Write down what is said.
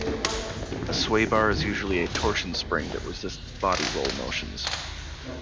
A sway bar is usually a torsion spring that resists body roll motions.